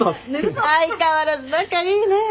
相変わらず仲いいね。